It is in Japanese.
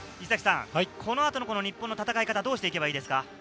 この後の日本の戦い方、どうしていけばいいですか？